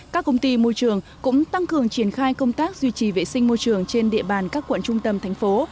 các công ty môi trường cũng tăng cường triển khai công tác duy trì vệ sinh môi trường trên địa bàn các quận trung tâm thành phố